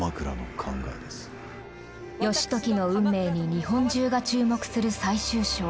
義時の運命に日本中が注目する最終章。